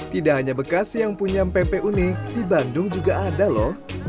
tidak hanya bekasi yang punya mpe unik di bandung juga ada loh